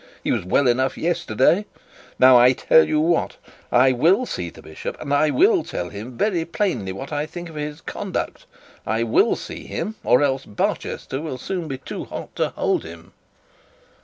He was well enough yesterday. Now I tell you what, I will see the bishop; and I will tell him also very plainly what I think of his conduct. I will see him, or else Barchester will soon be too hot to hold him.'